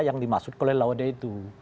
yang dimaksud oleh laode itu